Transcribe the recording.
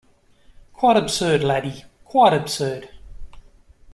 Quite absurd, laddie — quite absurd.